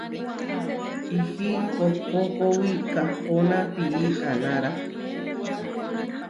Ihí kohkókowi kahpóna pií aanára.